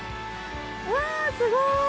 うわすごい！